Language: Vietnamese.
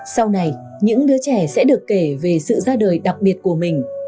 sau này những đứa trẻ sẽ được kể về sự ra đời đặc biệt của mình